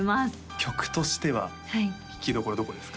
曲としては聴きどころどこですか？